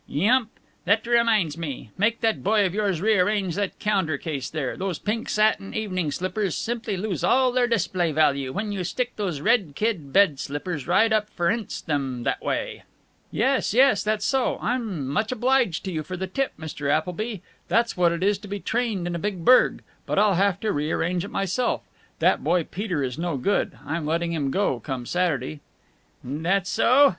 "Yump. That reminds me. Make that boy of yours rearrange that counter case there. Those pink satin evening slippers simply lose all their display value when you stick those red kid bed slippers right up ferninst them that way. "Yes, yes, that's so. I'm much obliged to you for the tip, Mr. Appleby. That's what it is to be trained in a big burg. But I'll have to rearrange it myself. That boy Peter is no good. I'm letting him go, come Saturday." "That so?"